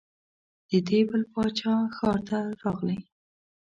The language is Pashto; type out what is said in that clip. د دې بل باچا ښار ته راغلې.